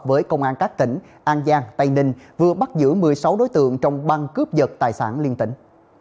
với công an các tỉnh an giang tây ninh vừa bắt giữ một mươi sáu đối tượng trong băng cướp giật tài sản liên tỉnh